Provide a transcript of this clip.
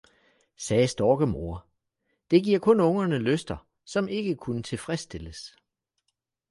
« sagde Storkemoder, »det giver kun Ungerne Lyster, som ikke kunne tilfredsstilles!